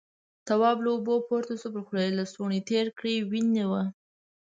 تواب له اوبو پورته شو، پر خوله يې لستوڼی تېر کړ، وينې وه.